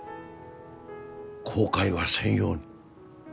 後悔はせんように。